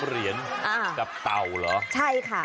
เหรียญกับเต่าเหรอใช่ค่ะ